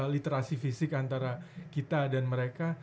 literasi fisik antara kita dan mereka